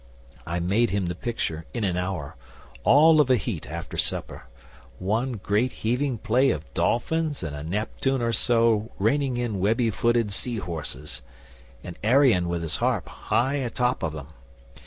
I made him the picture, in an hour, all of a heat after supper one great heaving play of dolphins and a Neptune or so reining in webby footed sea horses, and Arion with his harp high atop of them.